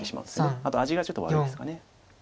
あと味がちょっと悪いですか。